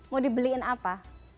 mau dibeliin apa